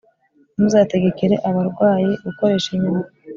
Ntimuzategekere abarwayi gukoresha inyama